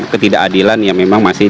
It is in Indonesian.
ketidakadilan yang memang masih